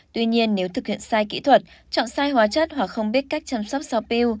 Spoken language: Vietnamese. tuy nhiên nếu thực hiện sai kỹ thuật chọn sai hóa chất hoặc không biết cách chăm sóc sau pew